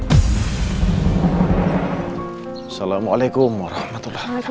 assalamualaikum warahmatullahi wabarakatuh